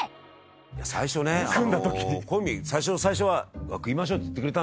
最初ねコンビ最初の最初は「組みましょう」って言ってくれた。